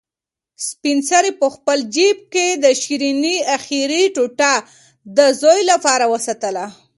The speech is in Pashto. سپین سرې په خپل جېب کې د شیرني اخري ټوټه د زوی لپاره وساتله.